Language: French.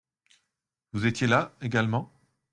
Vous étiez là également ?